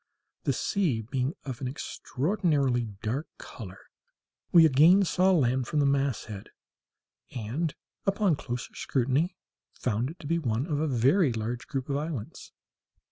(the sea being of an extraordinarily dark colour), we again saw land from the masthead, and, upon a closer scrutiny, found it to be one of a group of very large islands.